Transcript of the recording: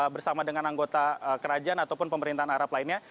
bersama dengan anggota kerajaan ataupun pemerintahan arab lainnya